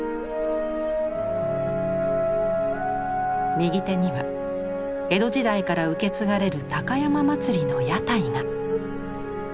右手には江戸時代から受け継がれる高山祭の屋台が。